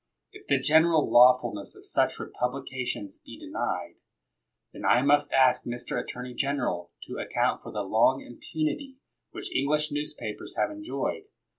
90 MACKINTOSH If the general lawfulness of such republications be denied, then I must ask Mr. Attorney Gener al to account for the long impunity which English newspapers have enjoyed.